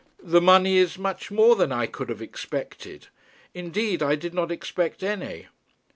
'The money is much more than I could have expected. Indeed I did not expect any.'